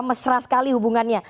mesra sekali hubungannya